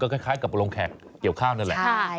ก็คล้ายกับโรงแขกเกี่ยวข้าวนี้แหละ